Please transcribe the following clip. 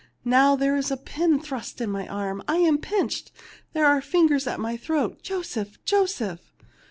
Now there is a pin thrust in my arm ! I am pinched ! There are fingers at my throat ! Joseph ! Joseph